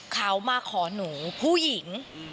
เขามาขอหนูผู้หญิง